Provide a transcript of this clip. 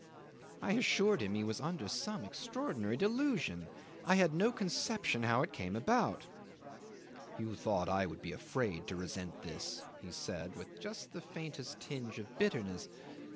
..." 'I assured him he was under some extraordinary delusion. I had no conception how it came about. "You thought I would be afraid to resent this," he said, with just a faint tinge of bitterness.